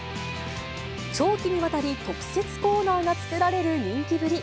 長期にわたり、特設コーナーが作られる人気ぶり。